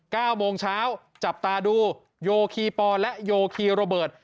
เก้าโมงเช้าจับตาดูโยคีปอและโยคีโรเบิร์ต